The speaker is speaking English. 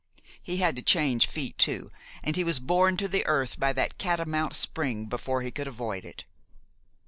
He had to change feet too, and he was borne to the earth by that catamount spring before he could avoid it.